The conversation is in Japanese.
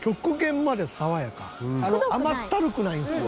甘ったるくないんですよ。